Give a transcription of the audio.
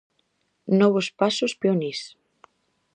Novos pasos peonís.